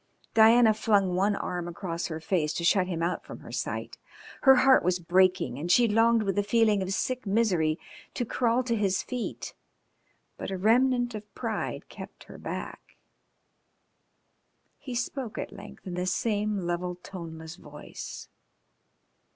Diana flung one arm across her face to shut him out from her sight. Her heart was breaking, and she longed with a feeling of sick misery to crawl to his feet, but a remnant of pride kept her back. He spoke at length in the same level, toneless voice.